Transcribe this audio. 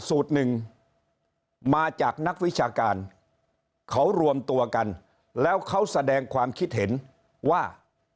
สูตรหนึ่งมาจากนักวิชาการเขารวมตัวกันแล้วเขาแสดงความคิดเห็นว่า